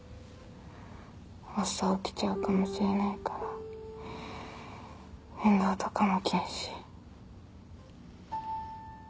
発作起きちゃうかもしれないから運動とかも禁止。